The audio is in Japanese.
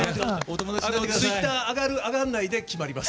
ツイッター、上がる上がらないで決まります。